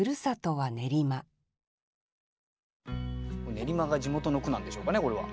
練馬が地元の句なんでしょうかねこれは。